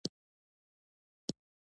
دوی تر جوړښتي او سیستماتیک تبعیض لاندې وو.